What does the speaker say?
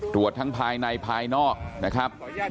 ตรวจทั้งภายในภายนอกนะครับ